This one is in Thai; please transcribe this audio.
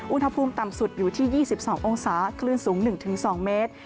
อุณหภูมิต่ำสุดอยู่ที่๒๒องศาคลื่นสูง๑๒เมตร